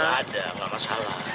enggak ada enggak ada masalah